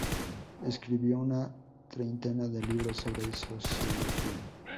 Escribió una treintena de libros sobre sociología.